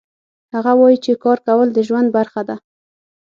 هغه وایي چې کار کول د ژوند برخه ده